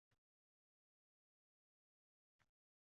Shu cho‘pchagi menga hech yoqmaydi: qo‘rqaman.